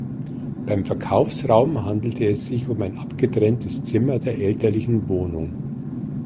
Beim Verkaufsraum handelte es sich um ein abgetrenntes Zimmer der elterlichen Wohnung.